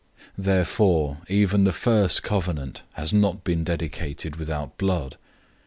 009:018 Therefore even the first covenant has not been dedicated without blood.